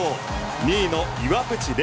２位の岩渕麗